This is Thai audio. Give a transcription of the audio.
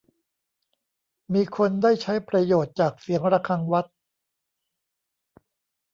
มีคนได้ใช้ประโยชน์จากเสียงระฆังวัด